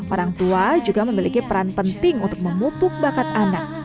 orang tua juga memiliki peran penting untuk memupuk bakat anak